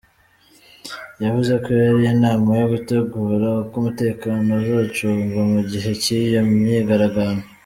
Yavuze ko yari inama yo gutegura uko umutekano uzacungwa mu gihe cy'iyo myigaragambyo.